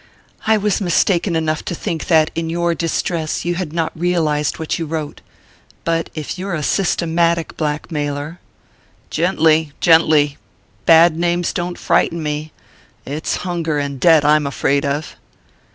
"I was mistaken enough to think that, in your distress, you had not realized what you wrote. But if you're a systematic blackmailer " "Gently gently. Bad names don't frighten me it's hunger and debt I'm afraid of."